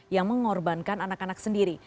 yang mengorbankan anak anak sendiri